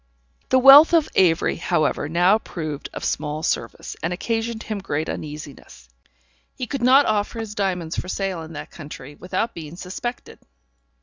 The wealth of Avery, however, now proved of small service, and occasioned him great uneasiness. He could not offer his diamonds for sale in that country without being suspected.